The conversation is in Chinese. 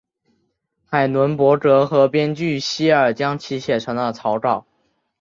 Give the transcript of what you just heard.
海伦伯格和编剧希尔将其写成了草稿。